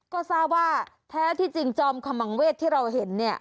ก็ทราบว่าแท้ที่จริงจอมขมังเวศที่เราเห็นเนี่ย